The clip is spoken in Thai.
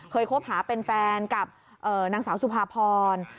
คบหาเป็นแฟนกับนางสาวสุภาพร